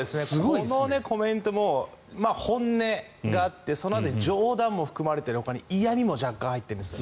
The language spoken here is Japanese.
このコメントも本音があってそのあとに冗談も含まれているほかに嫌味も若干入ってるんですよ。